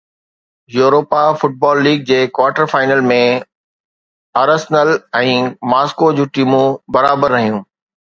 Europa football league جي quarter final ۾ Arsenal ۽ Moscow جون ٽيمون برابر رهيون